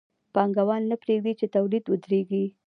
پانګوال نه پرېږدي چې تولید ودرېږي